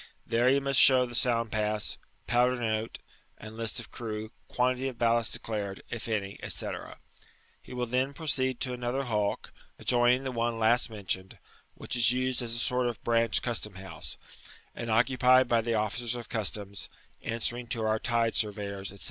There he must show the»ound pass, powder note, and list of crew,^ (]^uantity of ballast declared, if anv, &c. He will then Eroceed to another hulk, adjoimng the one last mentioned, which is used as a sort of ranch custom house, and occupied by the officers of customs, answering to our tide surveyors, &c.